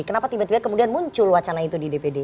kenapa tiba tiba kemudian muncul wacana itu di dpd